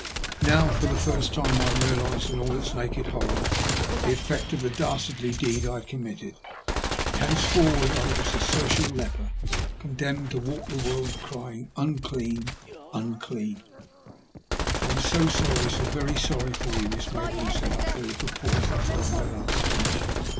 Now, for the first time, I realized in all its naked horror the effect of the dastardly deed I had committed. Henceforward I was a social leper, condemned to walk the world, crying, " Unclean ! unclean !"" I am BO sorry — so very sorry for you," Miss May bourne said, after the little pause that followed my last speech.